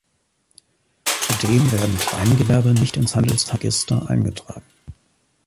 Zudem werden Kleingewerbe nicht ins Handelsregister eingetragen.